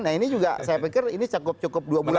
nah ini juga saya pikir ini cukup cukup dua bulan